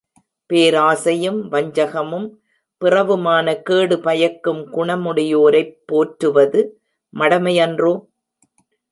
பேராசையும் வஞ்சகமும், பிறவுமான கேடு பயக்கும் குணமுடையோரைப் போற்றுவது மடைமையன்றோ?